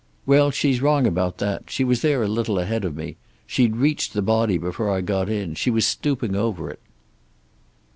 "Well, she's wrong about that. She was there a little ahead of me. She'd reached the body before I got in. She was stooping over it."